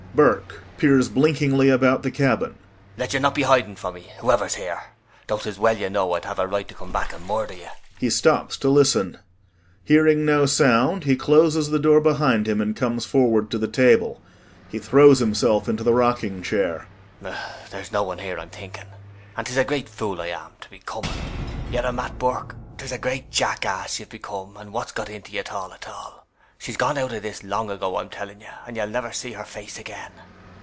] BURKE [Peers blinkingly about the cabin hoarsely.] Let you not be hiding from me, whoever's here though 'tis well you know I'd have a right to come back and murder you. [He stops to listen. Hearing no sound, he closes the door behind him and comes forward to the table. He throws himself into the rocking chair despondently.] There's no one here, I'm thinking, and 'tis a great fool I am to be coming. [With a sort of dumb, uncomprehending anguish.] Yerra, Mat Burke, 'tis a great jackass you've become and what's got into you at all, at all? She's gone out of this long ago, I'm telling you, and you'll never see her face again.